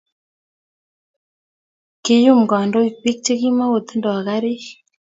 kiyum kandoik pik che kimatindo karik